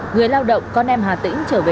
người lao động con em hà tĩnh trở về địa bàn